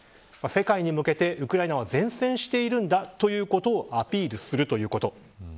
世界に向けてウクライナは善戦しているということをアピールするということ。